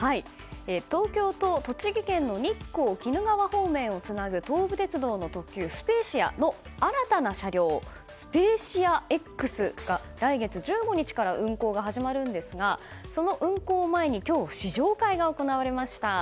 東京と栃木県の日光・鬼怒川方面をつなぐ東武鉄道の特急「スペーシア」の新たな車両「スペーシアＸ」が来月１５日から運行が始まるんですがその運行を前に今日、試乗会が行われました。